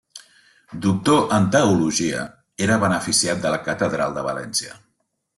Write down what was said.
Doctor en Teologia, era beneficiat de la Catedral de València.